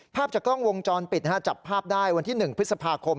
ภาพจากกล้องวงจรปิดจับภาพได้วันที่๑พฤษภาคม